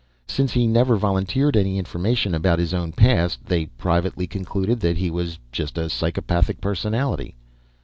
Since he never volunteered any information about his own past, they privately concluded that he was just a psychopathic personality.